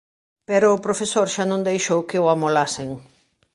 Pero o profesor xa non deixou que o amolasen.